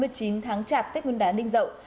ngày hai mươi chín tháng chạp tết binh đán binh dậu